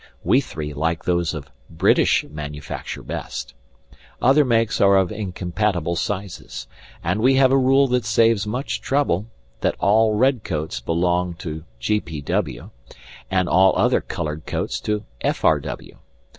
We three like those of British manufacture best; other makes are of incompatible sizes, and we have a rule that saves much trouble, that all red coats belong to G. P. W., and all other colored coats to F. R. W.